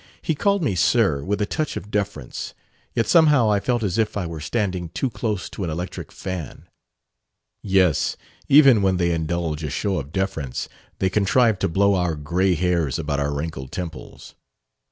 He called me 'sir,' with a touch of deference; yet somehow I felt as if I were standing too close to an electric fan." "Yes, even when they indulge a show of deference, they contrive to blow our gray hairs about our wrinkled temples."